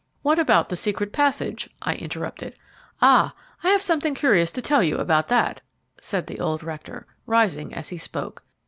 "What about the secret passage?" I interrupted. "Ah! I have something curious to tell you about that," said the old rector, rising as he spoke.